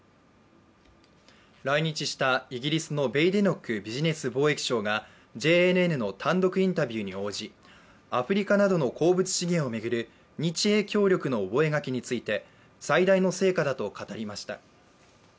来日したイギリスのベイデノック・ビジネス貿易相がＪＮＮの単独インタビューに応じアフリカなどの鉱物資源を巡る日英協力の覚書について最大の成果だと語りました。